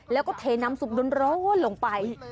แล้วก็เทน้ำซุปร้อนลงไป